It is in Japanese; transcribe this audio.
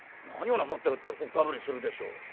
「何をなさってるってほっかむりするでしょう。